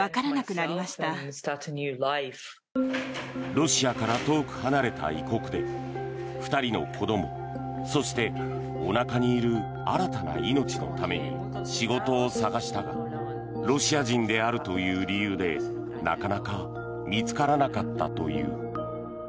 ロシアから遠く離れた異国で２人の子どもそして、おなかにいる新たな命のために仕事を探したがロシア人であるという理由でなかなか見つからなかったという。